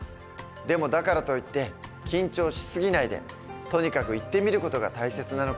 でもだからといって緊張し過ぎないでとにかく行ってみる事が大切なのかもしれない。